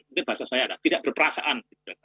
mungkin bahasa saya adalah tidak berperasaan